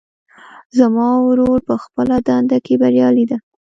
زما ورور په خپله دنده کې بریالۍ ده